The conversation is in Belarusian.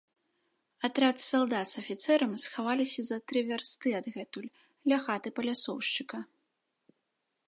Атрад салдат з афіцэрам схаваліся за тры вярсты адгэтуль, ля хаты палясоўшчыка.